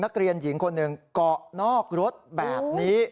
นักเรียนหญิงคนหนึ่งเกาะนอกรถแบบนี้